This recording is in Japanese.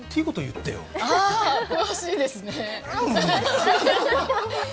ああ、詳しいですね。